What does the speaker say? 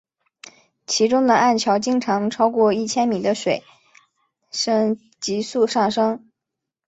其中的暗礁经常从超过一千米的水深急速上升。